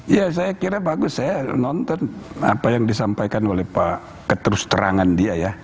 ya saya kira bagus saya nonton apa yang disampaikan oleh pak keterus terangan dia ya